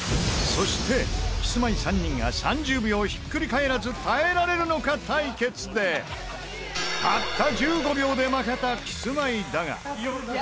そしてキスマイ３人が３０秒ひっくり返らず耐えられるのか対決でたった１５秒で負けたキスマイだが。